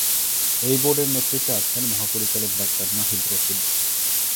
এই বোর্ডের নেতৃত্বে আছেন মহাপরিচালক ডাক্তার নাহিদ রশীদ।